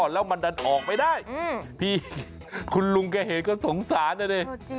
แล้วมันดันออกไปได้คุณลุงแค่เห็นก็สงสารนะเนี่ย